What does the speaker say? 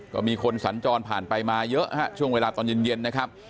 ก็มีคนสัญจรผ่านไปมาเยอะฮะช่วงเวลาตอนเย็นนะครับ